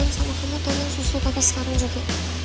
iwan sama kamu tau yang susu tapi sekarang juga